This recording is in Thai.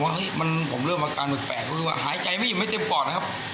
ผมว่าเฮ้ยมันผมเริ่มอาการแบบแปลกก็คือว่าหายใจไม่อิ่มไม่เต็มปอดนะครับ